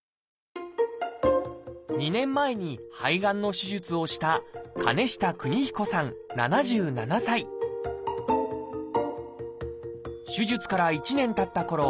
２年前に肺がんの手術をした手術から１年たったころ